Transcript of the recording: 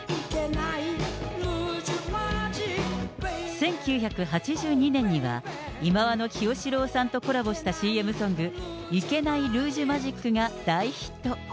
１９８２年には、忌野清志郎さんとコラボしたＣＭソング、いけないルージュマジックが大ヒット。